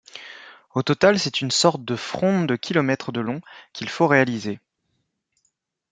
Au total, c'est une sorte de fronde de kilomètres de long qu'il faut réaliser.